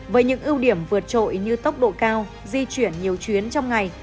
với những ưu điểm vượt trội như tốc độ cao di chuyển nhiều chuyến trong ngày